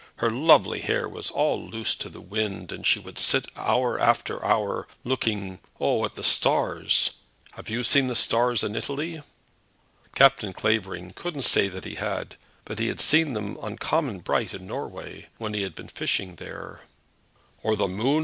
Her lovely hair was all loose to the wind, and she would sit hour after hour looking, oh, at the stars! Have you seen the stars in Italy?" Captain Clavering couldn't say that he had, but he had seen them uncommon bright in Norway, when he had been fishing there. "Or the moon?"